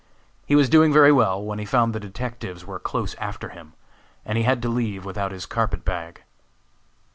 He was doing very well when he found the detectives were close after him, and he had to leave without his carpet bag.